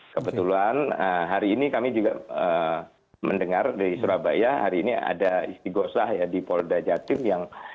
kebetulan hari ini kami juga mendengar di surabaya hari ini ada istiqosah ya di polda jatim yang